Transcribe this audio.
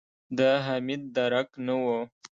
د حميد درک نه و.